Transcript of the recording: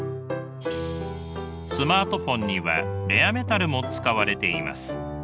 スマートフォンにはレアメタルも使われています。